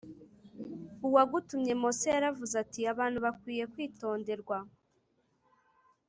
uwagutumye Mose yaravuze ati abantu bakwiye kwitonderwa